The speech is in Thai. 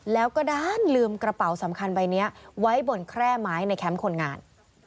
แล้วก็ด้านลืมกระเป๋าสำคัญใบนี้ไว้บนแคร่ไม้ในแคมป์คนงาน